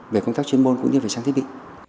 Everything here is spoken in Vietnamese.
về công tác chuyên môn cũng như về trang thiết bị